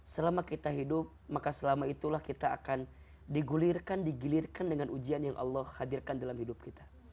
selama kita hidup maka selama itulah kita akan digulirkan digilirkan dengan ujian yang allah hadirkan dalam hidup kita